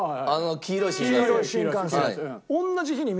黄色い新幹線。